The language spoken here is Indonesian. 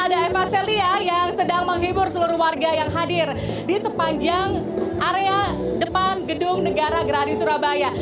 ada eva celia yang sedang menghibur seluruh warga yang hadir di sepanjang area depan gedung negara gerahadi surabaya